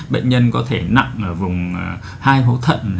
bệnh nhân có thể nặng ở vùng hai hố thận